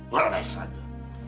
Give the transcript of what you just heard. warah naik saja